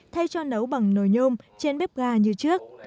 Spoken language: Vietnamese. thay cho nấu bằng nồi nhôm trên bếp ga như trước